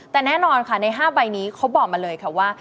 แต่แน่นอนค่ะใน๕ใบนี้เขาบอกมาเลยค่ะว่า